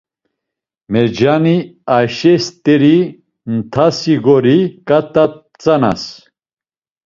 Mercani Ayşe st̆eri ntasi gori ǩat̆a tzanas.